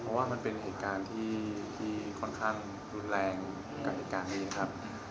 เพราะว่ามันเป็นเหตุการณ์ที่ค่อนข้างรุนแรงกับเหตุการณ์นี้ครับ